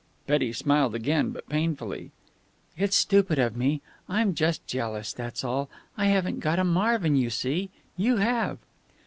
Betty smiled again, but painfully. "It's stupid of me. I'm just jealous, that's all. I haven't got a Marvin, you see. You have."